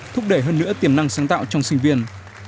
thúc đẩy hơn nữa tiềm năng sáng tạo trong sinh viên